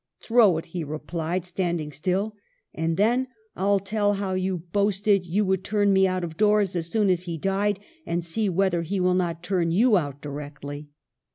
' Throw it,' he replied, standing still, ' and then I'll tell how you boasted you would turn me out of doors as soon as he died, and see whether he will not turn you out directly.'